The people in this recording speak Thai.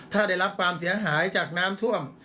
ถ้าได้รับความเสียหายจากน้ำท่วม